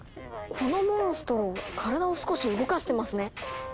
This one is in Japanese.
このモンストロ体を少し動かしてますね。